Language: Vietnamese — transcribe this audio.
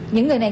những người này